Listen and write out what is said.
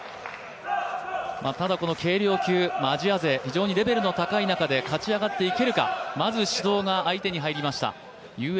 ただ軽量級、アジア勢、非常にレベルの高い中で勝ち上がっていけるか、まず指導が相手に入りました。